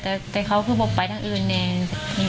แต่เหลือเขาก็ใช้ไปทางอื่นเนี่ย